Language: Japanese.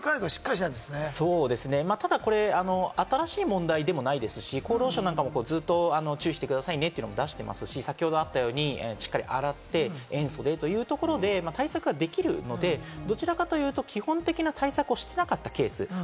これ新しい問題でもないですし、厚労省なんかもずっと注意してくださいねって出してますし、先ほどあったように、しっかり洗って塩素でということで対策はできるので、どちらかというと基本的な対策をしてなかったケース。